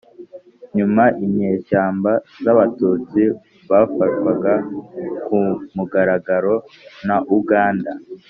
nyuma inyeshyamba z'abatutsi bafashwaga ku mugaragaro na uganda,